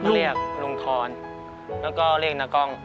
เรียกลุงทรแล้วก็เรียกนากล้อง